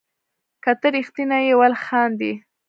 که ته ريښتيني يي ولي خاندي